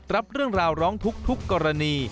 รับเรื่องราวร้องทุกข์ทุกกรณี